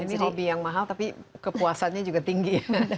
ini hobi yang mahal tapi kepuasannya juga tinggi